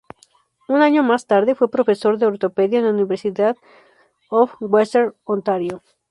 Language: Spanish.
Un año más tarde fue profesor de ortopedia en la University of Western Ontario.